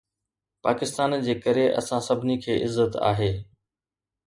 پاڪستان جي ڪري اسان سڀني کي عزت آهي.